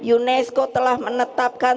unesco telah menetapkan